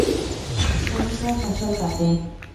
শ্রমিকরা ফসল কাটে।